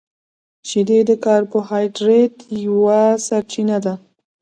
• شیدې د کاربوهایډریټ یوه سرچینه ده.